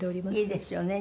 いいですよね